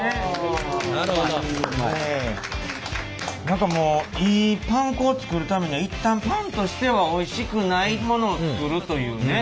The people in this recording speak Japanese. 何かもういいパン粉を作るためには一旦パンとしてはおいしくないものを作るというね。